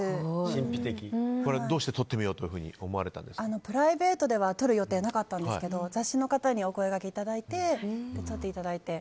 どうして撮ってみようとプライベートでは撮る予定なかったんですが雑誌の方にお声がけいただいて撮っていただいて。